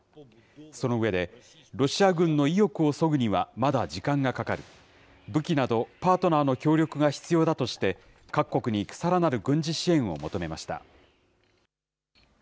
その上で、ロシア軍の意欲をそぐにはまだ時間がかかり、武器などパートナーの協力が必要だとして、各国にさらなる軍事支援を求めました。